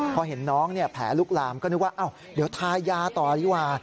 พอเห็นน้องแผลลุกลามก็นึกว่าเดี๋ยวทายาต่อดีกว่า